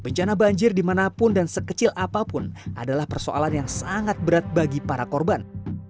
bencana banjir dimanapun dan sekecil apapun adalah persoalan yang sangat berat bagi para korban